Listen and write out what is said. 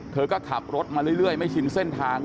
เธอก็ขับรถมาเรื่อยไม่ชินเส้นทาง